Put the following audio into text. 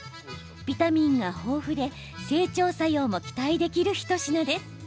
ビタミンが豊富で整腸作用も期待できる一品です。